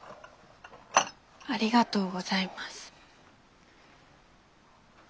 ありがとうございます。